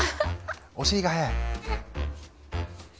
お尻が早い。